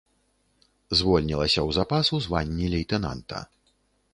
Звольнілася ў запас у званні лейтэнанта.